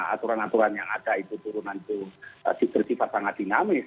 aturan aturan yang ada itu turunan itu bersifat sangat dinamis